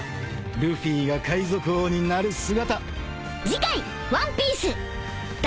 ルフィが海賊王になる姿！